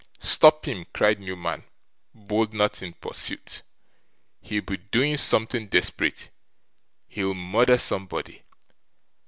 'Stop him!' cried Newman, bolting out in pursuit. 'He'll be doing something desperate; he'll murder somebody.